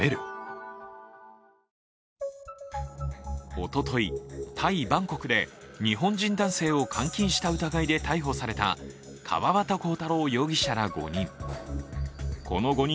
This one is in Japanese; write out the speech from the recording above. おととい、タイ・バンコクで日本人男性を監禁した疑いで逮捕された川端浩太郎容疑者ら５人。